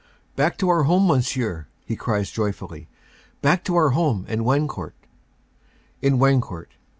"Back to our home, Monsieur," he cries joyfully, "back to our home in Wancourt." "In Wancourt!"